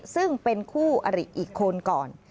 ซึ่งเป็นคู่อริอีกคนก่อน